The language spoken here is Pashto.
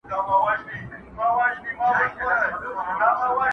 یوه شپه دي پر مزار باندي بلېږي!.